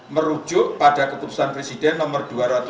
merujuk pada keputusan presiden nomor dua ratus tujuh puluh